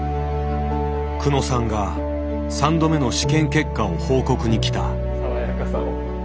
久野さんが３度目の試験結果を報告に来た。